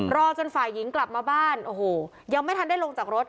รอจนฝ่ายหญิงกลับมาบ้านโอ้โหยังไม่ทันได้ลงจากรถ